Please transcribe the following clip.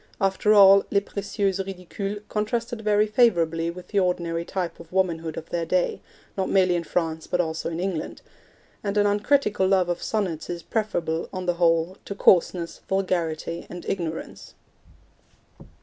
After all, Les Precieuses Ridicules contrasted very favourably with the ordinary type of womanhood of their day, not merely in France, but also in England; and an uncritical love of sonnets is preferable, on the whole, to coarseness, vulgarity and ignorance.